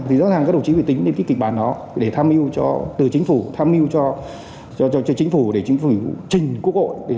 thì rất là các đồng chí bị tính đến cái kịch bản đó để tham yêu cho từ chính phủ tham yêu cho chính phủ để chính phủ trình quốc hội